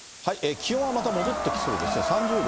気温はまた戻ってきそうですね。